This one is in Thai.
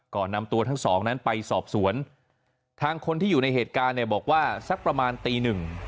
นำตัวทั้งสองนั้นไปสอบสวนทางคนที่อยู่ในเหตุการณ์เนี่ยบอกว่าสักประมาณตีหนึ่ง